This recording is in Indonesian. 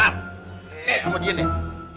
nih sama dia nih